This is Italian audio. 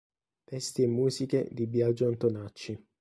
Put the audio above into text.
Testi e musiche di Biagio Antonacci.